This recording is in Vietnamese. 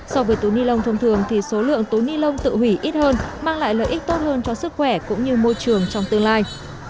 so với túi ni lông thông thường thì số lượng túi ni lông tự hủy ít hơn mang lại lợi ích tốt hơn cho sức khỏe cũng như môi trường trong tương lai